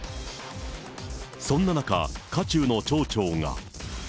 そんな中、渦中の町長が。